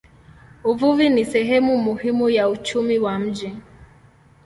Uvuvi ni sehemu muhimu ya uchumi wa mji.